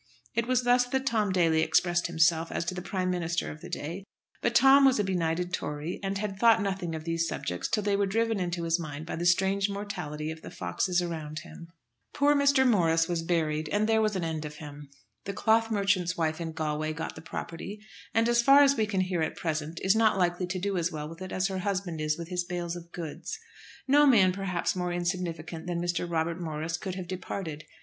It was thus that Tom Daly expressed himself as to the Prime Minister of the day; but Tom was a benighted Tory, and had thought nothing of these subjects till they were driven into his mind by the strange mortality of the foxes around him. Poor Mr. Morris was buried, and there was an end of him. The cloth merchant's wife in Galway got the property; and, as far as we can hear at present, is not likely to do as well with it as her husband is with his bales of goods. No man perhaps more insignificant than Mr. Robert Morris could have departed.